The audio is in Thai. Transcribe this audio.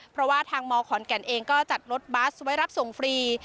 เพราะว่าทางมขอนแก่นเองก็จัดรถบัสไว้รับส่งฟรี